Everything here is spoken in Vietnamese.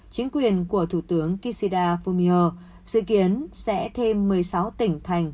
chính quyền của thủ tướng kishida fumio dự kiến sẽ thêm một mươi sáu tỉnh thành